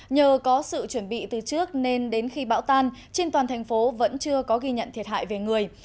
nhờ có sự chuẩn bị từ trước nên đến khi bão tan trên toàn thành phố vẫn chưa có ghi nhận thiệt hại về người